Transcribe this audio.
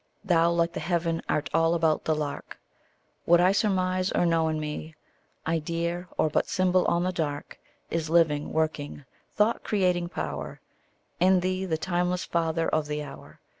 Thou like the heaven art all about the lark. Whatever I surmise or know in me, Idea, or but symbol on the dark, Is living, working, thought creating power In thee, the timeless father of the hour.